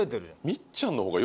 みっちゃんの方が。